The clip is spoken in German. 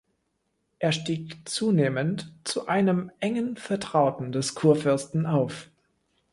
Er stieg zunehmend zu einem engen Vertrauten des Kurfürsten auf.